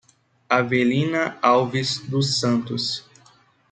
Avelina Alves do Santos